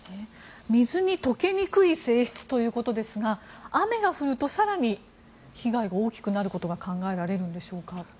水に溶けにくい性質ということですが雨が降ると更に被害が大きくなることが考えられるんでしょうか？